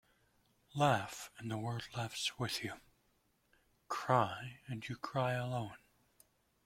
Laugh and the world laughs with you. Cry and you cry alone.